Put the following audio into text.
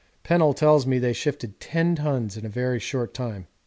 Pennell tells me they shifted 10 tons in a very short time.